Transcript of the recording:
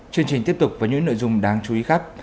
chương trình tiếp tục với những nội dung đáng chú ý khác